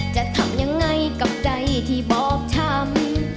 จะทำยังไงกับใจที่บอบช้ำ